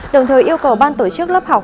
đồng thời yêu cầu ban tổ chức lớp học